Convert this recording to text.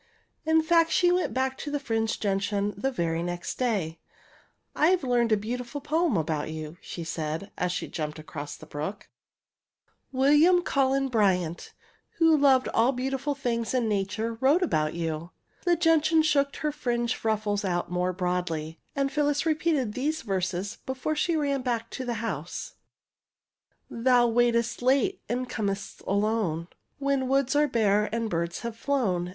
In fact, she went back to the fringed gen tian the very next day. I've learned a beautiful poem about you," she said, as she jmiiped across the brook. 234 THE FRINGED GENTIAN '* William Cullen Bryant, who loved all beau tifiil tilings in nature, wrote about you.'' The gentian shook her fringed ruffles out more broadly, and Phyllis repeated these verses before she ran back to the house; ''' Thou waitest late, and com'st alone, When woods are bare and birds are flown.